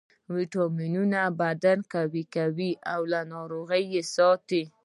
ویټامینونه بدن قوي کوي او له ناروغیو یې ساتي